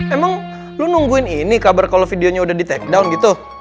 emang lo nungguin ini kabar kalo videonya udah di tag down gitu